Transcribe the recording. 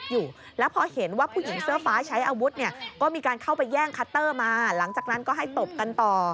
แย่งคัตเตอร์มาหลังจากนั้นก็ให้ตบกันต่อ